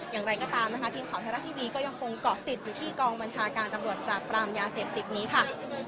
อย่างไรก็ตามนะคะทีมข่าวไทยรัฐทีวีก็ยังคงเกาะติดอยู่ที่กองบัญชาการตำรวจปราบปรามยาเสพติดนี้ค่ะ